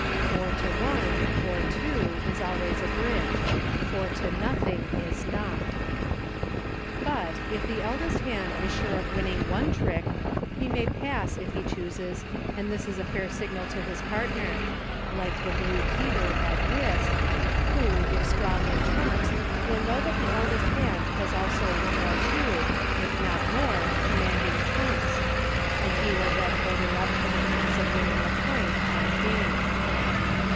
Four to one, or two, is always a Bridge — four to nothing is not. But, if the eldest hand is sure of winning one trick he may pass, if he chooses, and this is a fair signal to his partner — like the Blue Peter, at Whist— who, if strong in trumps, will know that the eldest hand has also one or two, if not more, commanding trumps, and he will then order up for the purpose of winning the point, and game.